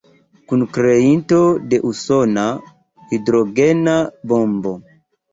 Kunkreinto de usona hidrogena bombo.